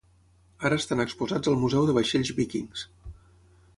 Ara estan exposats al Museu de Vaixells Víkings.